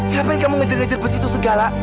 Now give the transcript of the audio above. ngapain kamu ngejar ngajar bes itu segala